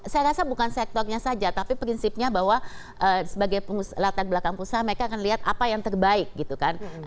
saya rasa bukan sektornya saja tapi prinsipnya bahwa sebagai latar belakang usaha mereka akan lihat apa yang terbaik gitu kan